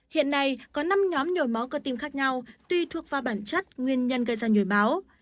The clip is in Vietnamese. hiện nay có năm nhóm nhồi máu cơ tim khác nhau tuy thuộc vào bản chất nguyên nhân gây ra nhồi máu